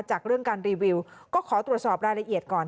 จากเรื่องการรีวิวก็ขอตรวจสอบรายละเอียดก่อน